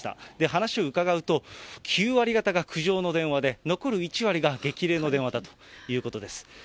話をうかがうと、９割方が苦情の電話で、残る１割が激励の電話だということです。